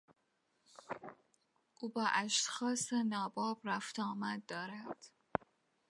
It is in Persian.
او با اشخاص ناباب رفت و آمد دارد.